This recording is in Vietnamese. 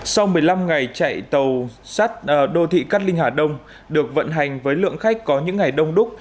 sau một mươi năm ngày chạy tàu sắt đô thị cát linh hà đông được vận hành với lượng khách có những ngày đông đúc